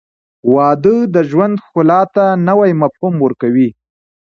• واده د ژوند ښکلا ته نوی مفهوم ورکوي.